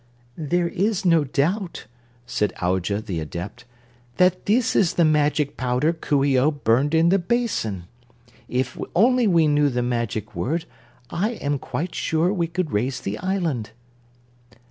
"There is no doubt," said Aujah the Adept, "that this is the magic powder Coo ee oh burned in the basin. If only we knew the magic word, I am quite sure we could raise the island."